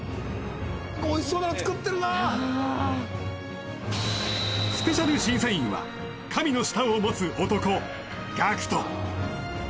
おいしそうなの作ってるなスペシャル審査員は神の舌を持つ男・ＧＡＣＫＴ